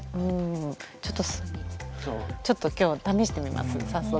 ちょっと今日試してみます早速。